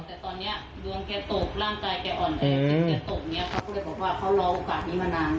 แต่ตอนนี้ดวงแกตกร่างกายแกอ่อนแรงแกตกเนี้ยเขาก็เลยบอกว่าเขารอโอกาสนี้มานาน